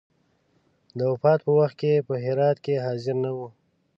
د وفات په وخت کې په هرات کې حاضر نه وو.